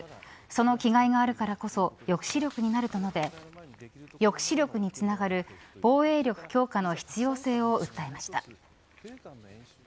その気概があるからこそ抑止力になると述べ抑止力につながる防衛力強化の必要性を訴えました。